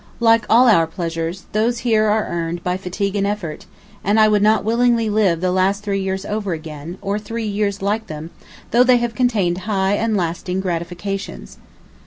Like all our pleasures, those here are earned by fatigue and effort, and I would not willingly live the last three years over again, or three years like them, though they have contained high and lasting gratifications.